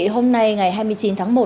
hôm nay ngày hai mươi chín tháng một